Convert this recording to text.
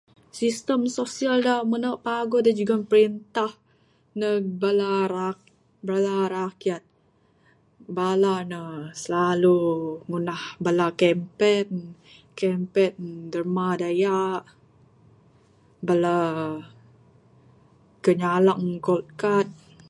Sistem sosial da menu paguh da jugon perintah, ndug bala rak, bal rakyat. Bala ne slalu ngundah bala kempen. Kempen derma dayak, bala kenyalang gold card.